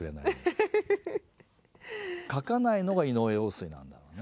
書かないのが井上陽水なんだろうね。